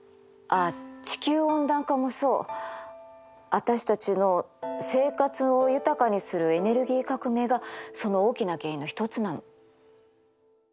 私たちの生活を豊かにするエネルギー革命がその大きな原因の一つなの。